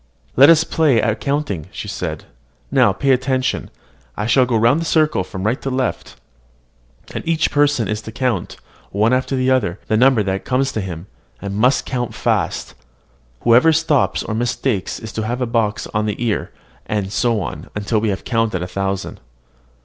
"Let us play at counting," said Charlotte. "Now, pay attention: I shall go round the circle from right to left; and each person is to count, one after the other, the number that comes to him, and must count fast; whoever stops or mistakes is to have a box on the ear, and so on, till we have counted a thousand."